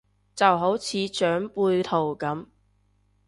就好似長輩圖咁